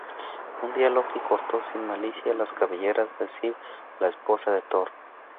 Un día Loki cortó sin malicia las cabelleras de Sif, la esposa de Thor.